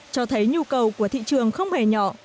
cho thấy nhu cầu của thị trường không hề nhỏ